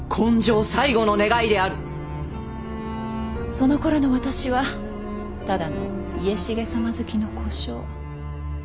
そのころの私はただの家重様づきの小姓。